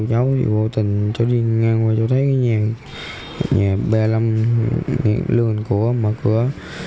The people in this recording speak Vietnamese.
cháu đi ngang qua cháu thấy nhà ba mươi năm lương của mở cửa